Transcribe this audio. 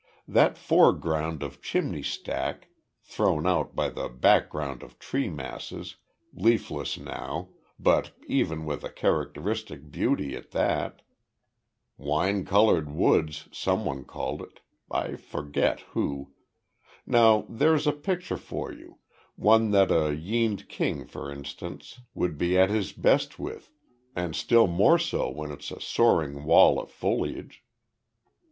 "That foreground of chimney stack, thrown out by the background of tree masses, leafless now, but even with a characteristic beauty at that `wine coloured woods' some one called it I forget who now there's a picture for you, one that a Yeend King for instance, would be at his best with, and still more so when it's a soaring wall of foliage."